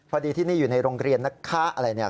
พอดีที่นี่อยู่ในโรงเรียนนะคะอะไรเนี่ย